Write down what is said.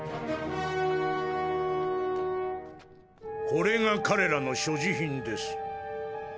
これが彼らの所持品です。